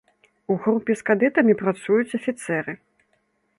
У групе з кадэтамі працуюць афіцэры.